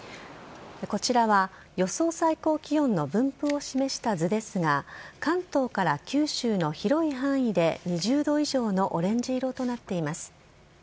こちらは予想最高気温の分布を示した図ですが、関東から九州の広い範囲で２０度以上のオレンジ色となっています。